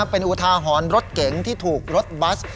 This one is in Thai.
เป็นอุทาหรณ์รถเก๋งที่ถูกรถบัส